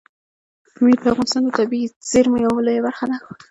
پامیر د افغانستان د طبیعي زیرمو یوه لویه برخه ده.